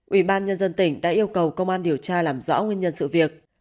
ubnd tỉnh đã yêu cầu công an điều tra làm rõ nguyên nhân sự việc